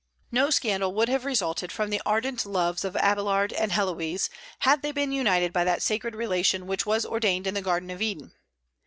No scandal would have resulted from the ardent loves of Abélard and Héloïse had they been united by that sacred relation which was ordained in the garden of Eden.